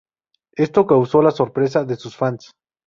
Esto causo la sorpresa de sus fans.